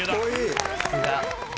さすが。